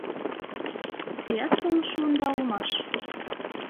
Теат толын шуында улмаш?